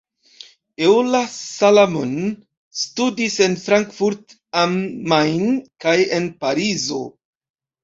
Ella Salamon studis en Frankfurt am Main kaj en Parizo.